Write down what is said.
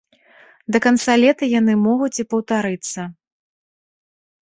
Да канца лета яны могуць і паўтарыцца.